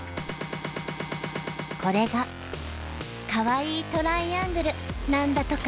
これがかわいいトライアングルなんだとか。